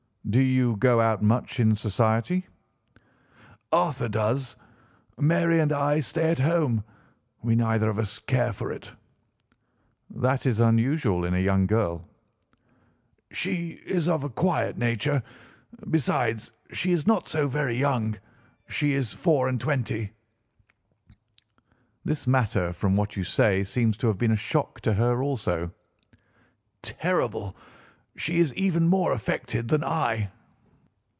"Do you go out much in society?" "Arthur does. Mary and I stay at home. We neither of us care for it." "That is unusual in a young girl." "She is of a quiet nature. Besides, she is not so very young. She is four and twenty." "This matter, from what you say, seems to have been a shock to her also." "Terrible! She is even more affected than I."